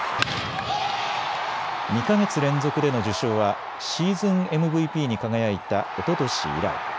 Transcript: ２か月連続での受賞はシーズンＭＶＰに輝いたおととし以来。